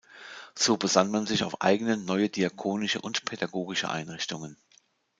So besann man sich auf eigene, neue diakonische und pädagogische Einrichtungen.